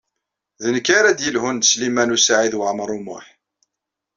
D nekk ara d-yelhun ed Sliman U Saɛid Waɛmaṛ U Muḥ.